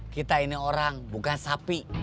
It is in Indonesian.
kita ini orang bukan sapi